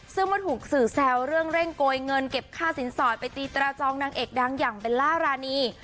ซึ่งเมื่อถูกสื่อแซวเรื่องเร่งโกยเงินเก็บค่าสินสอดไปตีตราจองนางเอกดังอย่างเบลล่ารานี